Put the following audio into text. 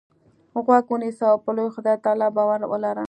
غوږ ونیسه او په لوی خدای تل باور ولره.